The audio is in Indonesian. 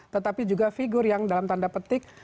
tetapi juga figur yang dalam tanda petik